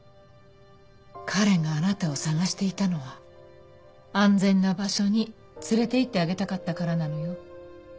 彼があなたを捜していたのは安全な場所に連れていってあげたかったからなのよ。